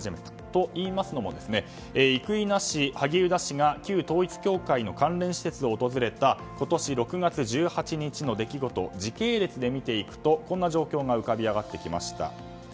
といいますのも生稲氏、萩生田氏が旧統一教会の関連施設を訪れた今年６月１８日の出来事を時系列で見ていくとこんな状況が浮かび上がってきました。